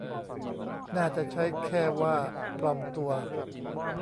น่าจะใช้แค่ว่า "ปลอมตัว"